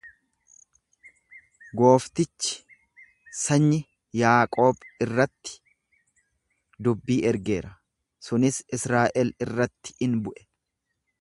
Gooftichi sanyi Yaaqoob irratti dubbii ergeera, sunis Israa'el irratti in bu'e.